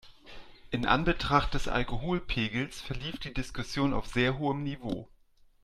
In Anbetracht des Alkoholpegels verlief die Diskussion auf sehr hohem Niveau.